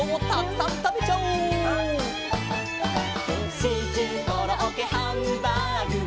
「シチューコロッケハンバーグも」